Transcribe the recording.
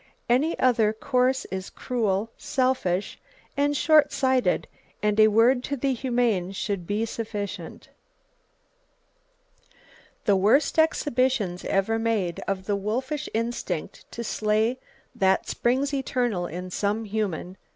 Any other course is cruel, selfish, and shortsighted; and a word to the humane should be sufficient. The worst exhibitions ever made of the wolfish instinct to slay that springs eternal in some human